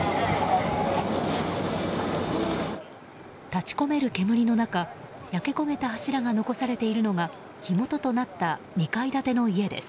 立ち込める煙の中焼け焦げた柱が残されているのが火元となった２階建ての家です。